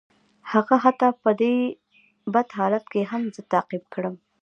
هغه حتی په دې بد حالت کې هم زه تعقیب کړم